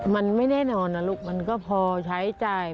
มันไม่แน่นอนนะลูกมันก็พอใช้จ่าย